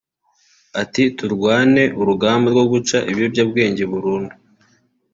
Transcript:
Ati “Turwane urugamba rwo guca ibiyobyabwenge burundu